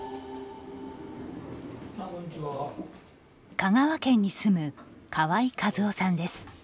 香川県に住む川井一夫さんです。